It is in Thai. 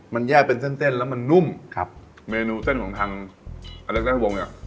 มันแยกเป็นเส้นเส้นแล้วมันนุ่มครับเมนูเส้นของทางอเล็กด้านวงเนี่ย